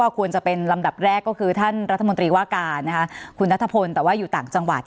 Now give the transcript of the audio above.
ควรจะเป็นลำดับแรกก็คือท่านรัฐมนตรีว่าการคุณนัทพลแต่ว่าอยู่ต่างจังหวัด